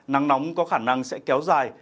năng nóng có khả năng sẽ kéo dài